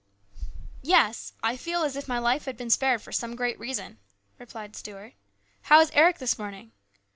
" Yes, I feel as if my life had been spared for some great reason," replied Stuart. " How is Eric this morning